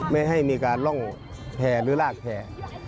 ไม่ให้มีการล่องแพร่หรือลากแพร่